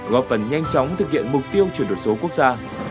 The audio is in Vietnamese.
góp phần nhanh chóng thực hiện mục tiêu chuyển đổi số quốc gia